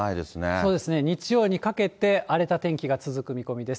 そうですね、日曜にかけて荒れた天気が続く見込みです。